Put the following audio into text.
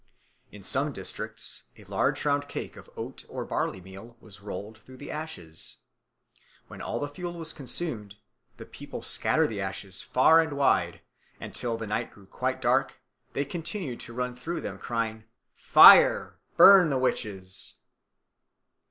In some districts a large round cake of oat or barley meal was rolled through the ashes. When all the fuel was consumed, the people scattered the ashes far and wide, and till the night grew quite dark they continued to run through them, crying, "Fire! burn the witches."